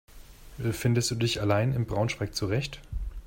Findest du dich allein in Braunschweig zurecht?